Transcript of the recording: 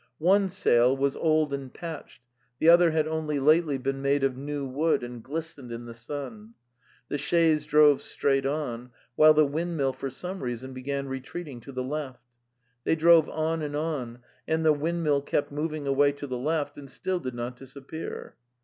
One sail was old and patched, the other had only lately been made of new wood and glistened in the sun. The chaise drove straight on, while the windmill, for some reason, began retreating to the left. They drove on and on, and the windmill kept moving away to the left, and still did not disappear.